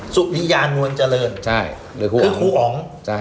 สุริยานวลเจริญคือฮูอ๋อม